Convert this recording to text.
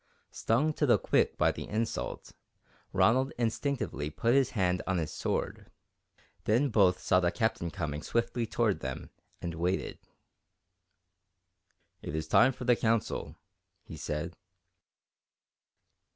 Stung to the quick by the insult, Ronald instinctively put his hand on his sword. Then both saw the Captain coming swiftly toward them, and waited. "It is time for the council," he said.